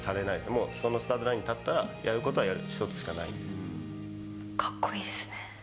もう、そのスタートラインに立ったら、やることはやる、一つしかないのかっこいいですね。